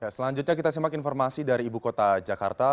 selanjutnya kita simak informasi dari ibu kota jakarta